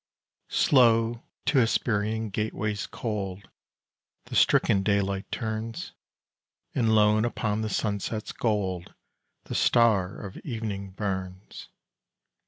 Slow to Hesperian gateways cold The stricken daylight turns, And lone upon the sunset's gold The star of evening burns.